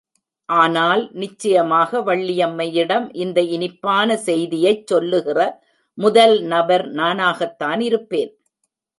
ஆனால், நிச்சயமாக வள்ளியம்மையிடம் இந்த இனிப்பான செய்தியைச் சொல்லுகிற முதல் நபர் நானாகத்தான் இருப்பேன்.